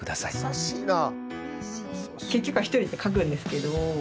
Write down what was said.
優しいな。